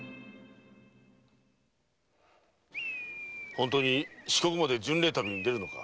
本当に四国まで巡礼旅に出るのか？